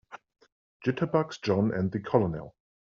Jitterbugs JOHN and the COLONEL.